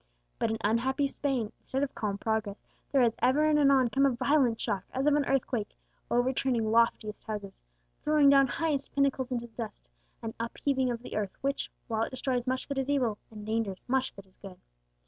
But in unhappy Spain, instead of calm progress, there has ever and anon come a violent shock, as of an earthquake, overturning loftiest houses, throwing down highest pinnacles into the dust; an upheaving of the earth which, while it destroys much that is evil, endangers much that is good.